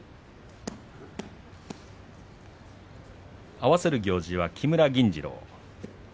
合わせる行司は木村銀治郎。